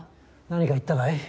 何か言ったかい？